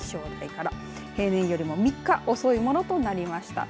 気象台から、平年よりも３日遅いものとなりました。